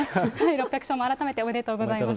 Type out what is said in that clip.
６００勝も改めておめでとうございます。